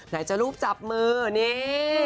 ไหนจะรูปจับมือนี่